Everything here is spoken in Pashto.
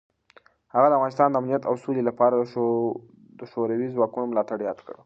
هغه د افغانستان د امنیت او سولې لپاره د شوروي ځواکونو ملاتړ یاد کړ.